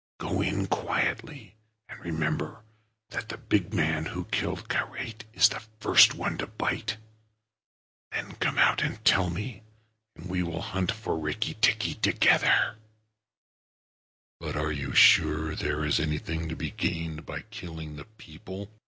Go in quietly, and remember that the big man who killed Karait is the first one to bite. Then come out and tell me, and we will hunt for Rikki tikki together." "But are you sure that there is anything to be gained by killing the people?"